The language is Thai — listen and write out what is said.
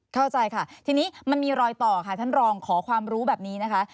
เข้าใจค่ะทีนี้มันมีรอยต่อค่ะท่านรองขอความรู้แบบนี้นะคะ